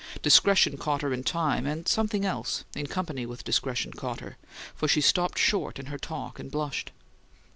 Discretion caught her in time; and something else, in company with discretion, caught her, for she stopped short in her talk and blushed.